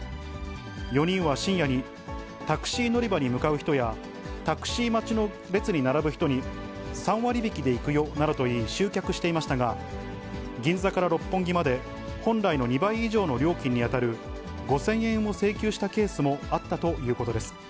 ４人は深夜に、タクシー乗り場に向かう人や、タクシー待ちの列に並ぶ人に、３割引きで行くよなどと言い、集客していましたが、銀座から六本木まで、本来の２倍以上の料金に当たる５０００円を請求したケースもあったということです。